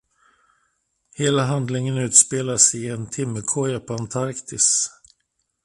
Hela handlingen utspelar sig i en timmerkoja på Antarktis.